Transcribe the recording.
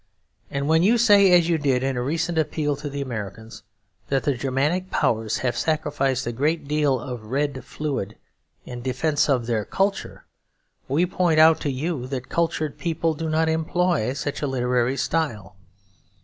And when you say, as you did in a recent appeal to the Americans, that the Germanic Powers have sacrificed a great deal of "red fluid" in defence of their culture, we point out to you that cultured people do not employ such a literary style.